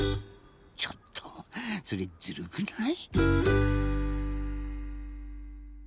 ちょっとそれずるくない？